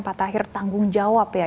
pak tahir tanggung jawab ya